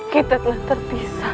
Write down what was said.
kita telah terpisah